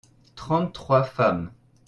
trente trois femmes.